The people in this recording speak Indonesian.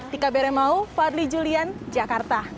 tika bere mau fadli julian jakarta